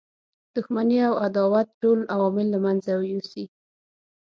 دښمنی او عداوت ټول عوامل له منځه یوسي.